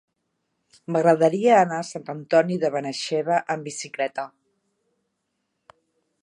M'agradaria anar a Sant Antoni de Benaixeve amb bicicleta.